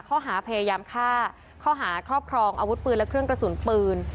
ข้อหาพยายามฆ่าข้อหาครอบครองอาวุธปืนและเครื่องกระสุนปืน